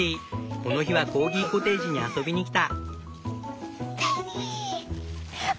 この日はコーギコテージに遊びに来た。